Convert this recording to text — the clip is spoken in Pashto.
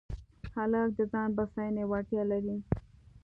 هلک د ځان بساینې وړتیا لري.